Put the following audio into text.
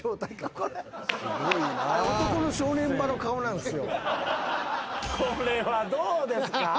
これはどうですか？